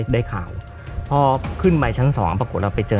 ได้ข่าวพ่อขึ้นไปชั้นสองปรากฎแล้วไปเจอ